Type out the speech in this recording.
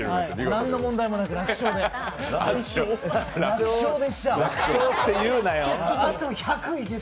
何の問題もなく、楽勝で。